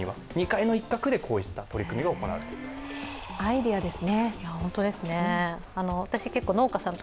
２階の一角でこういった取り組みが行われています。